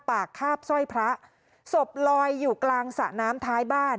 คาบสร้อยพระศพลอยอยู่กลางสระน้ำท้ายบ้าน